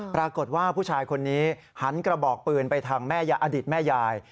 ปรากฏว่าผู้ชายคนนี้หันกระบอกปืนไปทางแม่อดีตแม่ยาย